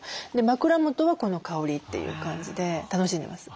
枕元はこの香りという感じで楽しんでます。